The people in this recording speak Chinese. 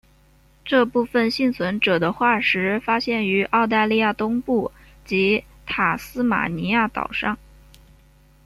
这部分幸存者的化石发现于澳大利亚东部及塔斯马尼亚岛上。